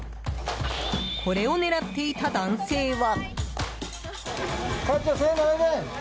これを狙っていた男性は。